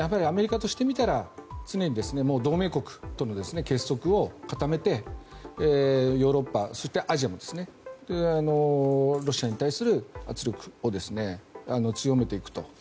アメリカとしてみたら常に同盟国との結束を固めてヨーロッパ、そしてアジアのロシアに対する圧力を強めていくと。